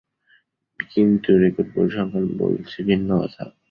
কিন্তু রেকর্ড পরিসংখ্যান বলছে ভিন্ন কথা।